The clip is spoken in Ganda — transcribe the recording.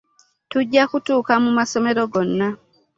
Tujja kutuuka mu masomero gonna.